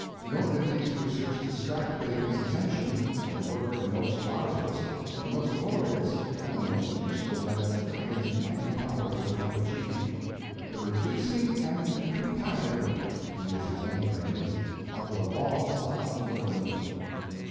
Nor did these pursuits distract Bacon's attention from a work the most arduous, the most glorious, and the most useful that even his mighty powers could have achieved, "the reducing and recompiling," to use his own phrase, "of the laws of England."